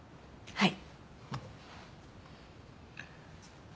はい。